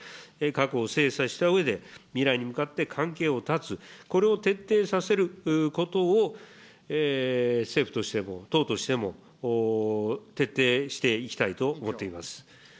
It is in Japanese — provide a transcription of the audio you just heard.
過去を精査したうえで、未来に向かって関係を断つ、これを徹底させることを、政府としても党としても、徹底していきたいと思っています。